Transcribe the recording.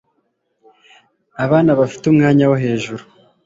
abana bafite umwanya wo hejuru